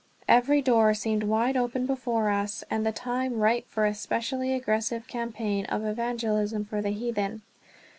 Every door seemed wide open before us, and the time ripe for a specially aggressive campaign of evangelism for the heathen.